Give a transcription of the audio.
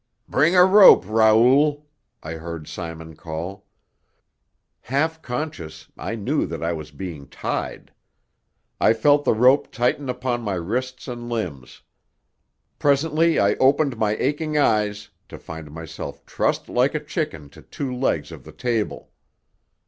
"Bring a rope, Raoul!" I heard Simon call. Half conscious, I knew that I was being tied. I felt the rope tighten upon my wrists and limbs; presently I opened my aching eyes to find myself trussed like a chicken to two legs of the table.